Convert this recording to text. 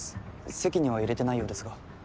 籍には入れてないようですが。